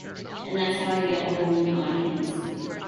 And that's how I get a whole new audience.